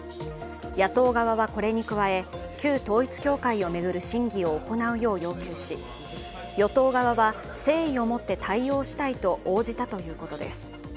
野党側はこれに加え旧統一教会を巡る審議を行うよう要求し、与党側は誠意を持って対応したいと応じたということです。